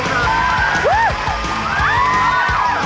โอ้วร้าน